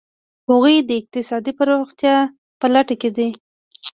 هغوی د اقتصادي پرمختیا په لټه کې دي.